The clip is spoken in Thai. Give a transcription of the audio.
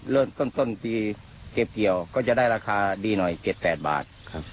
เริ่มต้นปีเก็บเกี่ยวก็จะได้ราคาดีหน่อย๗๘บาทครับ